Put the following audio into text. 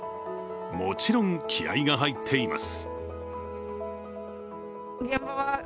もちろん気合いが入っています。